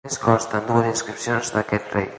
Només consten dues inscripcions d'aquest rei.